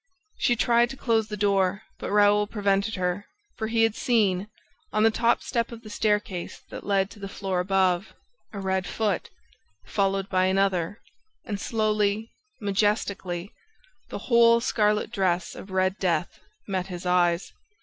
She tried to close the door, but Raoul prevented her; for he had seen, on the top step of the staircase that led to the floor above, A RED FOOT, followed by another ... and slowly, majestically, the whole scarlet dress of Red Death met his eyes.